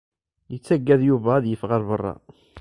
Yettagad Yuba ad yeffeɣ ɣer beṛṛa.